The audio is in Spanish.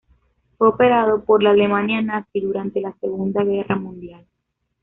Fue operado por la Alemania Nazi durante la Segunda Guerra Mundial.